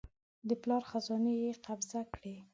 د پلار خزانې یې قبضه کړې.